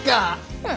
うん。